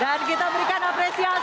dan kita berikan apresiasi